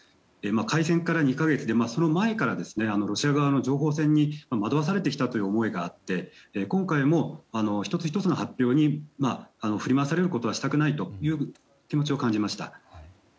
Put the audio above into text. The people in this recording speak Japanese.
開戦から２か月でその前からロシアの情報戦に惑わされてきたという思いがあって今回も１つ１つの発表に振り回されることはしたくないという気持ちを感じました。